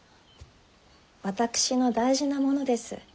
私の大事なものです。